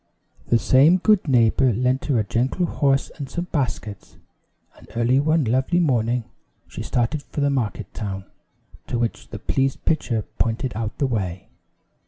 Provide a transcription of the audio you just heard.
The same good neighbor lent her a gentle horse and some baskets; and early one lovely morning, she started for the market town, to which the pleased pitcher pointed out the way.